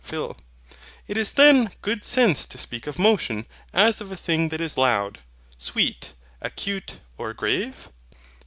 PHIL. It is then good sense to speak of MOTION as of a thing that is LOUD, SWEET, ACUTE, or GRAVE.